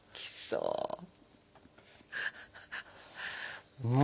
うん！